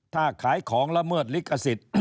ถ้าขายของละเมิดลิขสิทธิ์